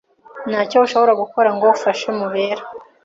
Ntacyo ushobora gukora ngo ufashe Mubera.